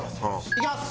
いきます！